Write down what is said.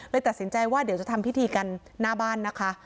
ตัดสินใจว่าเดี๋ยวจะทำพิธีกันหน้าบ้านนะคะ